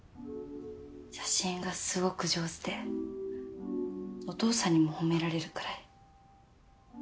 写真がすごく上手でお父さんにも褒められるくらい。